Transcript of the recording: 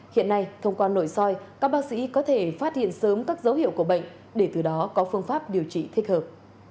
hiện nay thông qua nội soi các bác sĩ có thể phát hiện sớm các dấu hiệu của bệnh để từ đó có phương pháp điều trị thích hợp